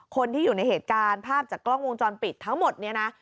คนที่อยู่ในเหตุการณ์ภาพจากกล้องวงจรปิดทั้งหมดเนี่ยนะ